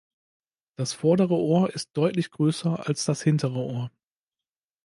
Das vordere Ohr ist deutlich größer als das hintere Ohr.